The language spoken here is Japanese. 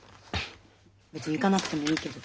別に行かなくてもいいけど。